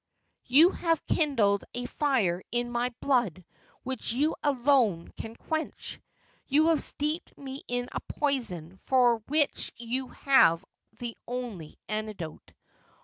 You have kindled a fire in my blood which you alone can quench. You have steeped me in a poison for which you have the only antidote.